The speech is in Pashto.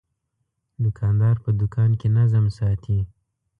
دوکاندار په دوکان کې نظم ساتي.